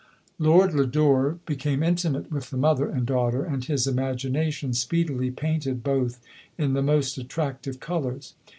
LODORE. 107 Lord Lodore became intimate with the mother and daughter, and his imagination speedily painted both in the most attractive colours.